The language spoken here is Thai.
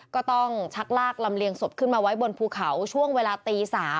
ก็ต้องชักลากลำเลียงศพขึ้นมาไว้บนภูเขาช่วงเวลาตี๓